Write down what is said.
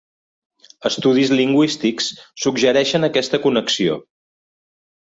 Estudis lingüístics suggereixen aquesta connexió.